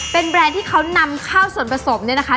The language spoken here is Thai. เป็นแบรนด์ที่เขานำข้าวส่วนผสมเนี่ยนะคะ